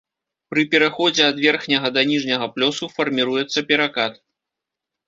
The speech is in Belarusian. Пры пераходзе ад верхняга да ніжняга плёсу фарміруецца перакат.